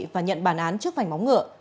và nhận bản án trước vành móng ngựa